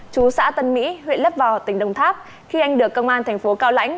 chú xã tân mỹ huyện lấp vò tỉnh đồng tháp khi anh được công an thành phố cao lãnh